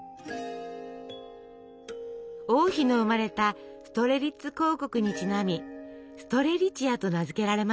王妃の生まれたストレリッツ公国にちなみ「ストレリチア」と名付けられました。